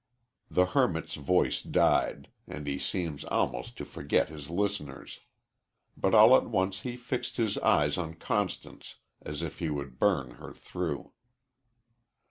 '" The hermit's voice died, and he seemed almost to forget his listeners. But all at once he fixed his eyes on Constance as if he would burn her through.